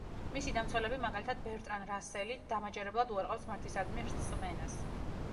მისი დამცველები, მაგალითად ბერტრან რასელი დამაჯერებლად უარყოფს ღმერთისადმი რწმენას.